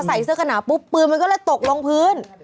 ใส่เสื้อขนาดปุ๊บปืนมันก็เลยตกลงพื้น